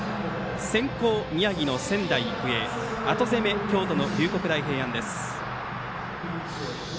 先攻、宮城の仙台育英後攻め、京都の龍谷大平安です。